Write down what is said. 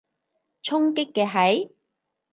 衝擊嘅係？